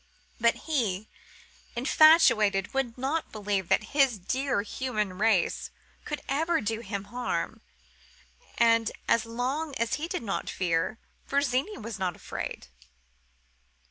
But he, infatuated, would not believe that his dear Human Race could ever do him harm; and, as long as he did not fear, Virginie was not afraid.